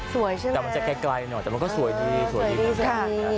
สวยใช่ไหมแต่มันจะแค่ไกลหน่อยแต่มันก็สวยดีสวยดีค่ะ